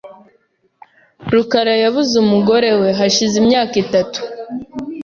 rukara yabuze umugore we hashize imyaka itatu .